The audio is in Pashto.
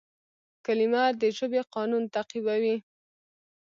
کلیمه د ژبي قانون تعقیبوي.